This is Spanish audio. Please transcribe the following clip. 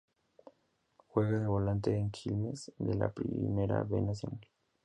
Juega de volante en Quilmes, de la Primera B Nacional.